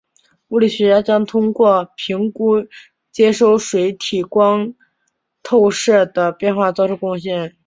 物理学家将通过评估接收水体光透射的变化做出贡献。